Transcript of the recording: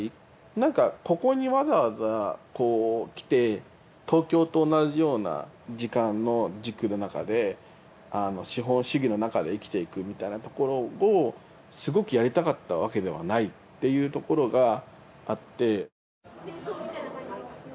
なんかここにわざわざ来て東京と同じような時間の軸の中で資本主義の中で生きていくみたいなところをすごくやりたかったわけではないっていうところがあって。